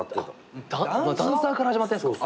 ダンサーから始まってんすか？